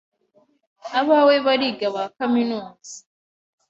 Abawe bariga bakaminuza